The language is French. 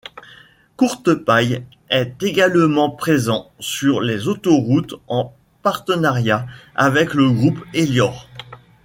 Courtepaille est également présent sur les autoroutes en partenariat avec le groupe Elior.